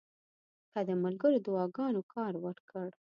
که د ملګرو دعاګانو کار ورکړ.